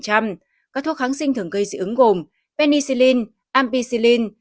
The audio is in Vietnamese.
các thuốc kháng sinh thường gây dị ứng gồm penicillin ampicillin